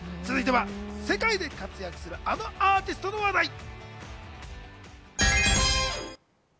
続いては世界で活躍する、あのアーティストの話題。